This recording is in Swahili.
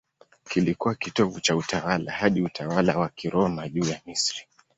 Kilikuwa kitovu cha utawala hadi utawala wa Kiroma juu ya Misri.